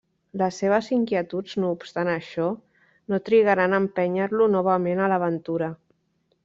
Les seves inquietuds, no obstant això, no trigaran a empènyer-lo novament a l'aventura.